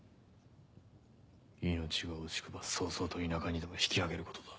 命が惜しくば早々と田舎にでも引き揚げることだ。